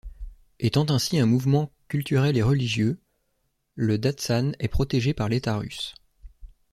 Étant ainsi un monument culturel et religieux, le datsan est protégé par l'État russe.